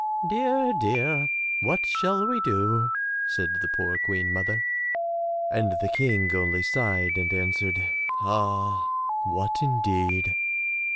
"Dear, dear! what shall we do*', said the poor Queen mother and the King only sighed and answered "Ah, what indeed!''